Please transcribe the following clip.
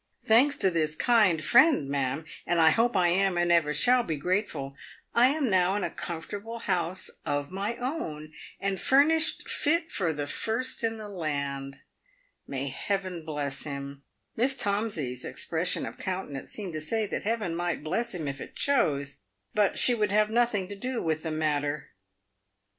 —" Thanks to this kind friend, ma'am — and I hope I am and ever shall be grateful — I am now in a comfortable house of my own, and furnished fit for the first in the land. May Heaven bless him !" Miss Tomsey's expression of countenance seemed to say that Heaven might bless him if it chose, but she would have nothing to do with the matter.